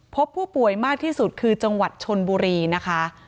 พบผู้ป่วยมากที่สุดคือจังหวัดชนบุรีนะคะ